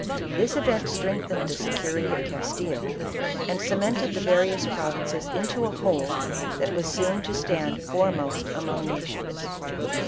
This event strengthened the security of Castile, and cemented the various provinces into a \vhole that was soon to stand foremost among nations.